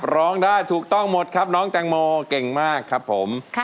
ร้องได้ถูกต้องหมดครับน้องแตงโมเก่งมากครับผม